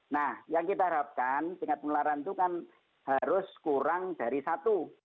nah yang kita harapkan tingkat penularan itu kan harus kurang dari satu